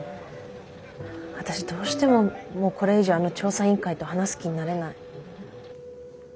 私どうしてももうこれ以上あの調査委員会と話す気になれない。